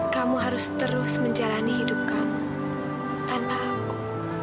kamu harus terus menjalani hidup kamu tanpa aku